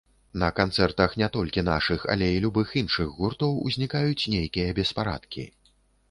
На канцэртах не толькі нашых, але і любых іншых гуртоў узнікаюць нейкія беспарадкі.